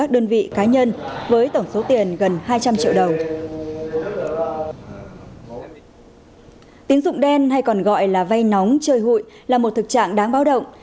tín dụng đen hay còn gọi là vay nóng chơi hụi là một thực trạng đáng báo động